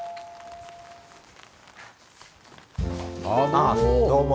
ああどうも。